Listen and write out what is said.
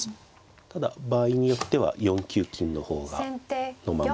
ただ場合によっては４九金の方がのまま。